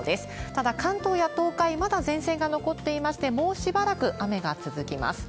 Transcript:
ただ、関東や東海、まだ前線が残っていまして、もうしばらく雨が続きます。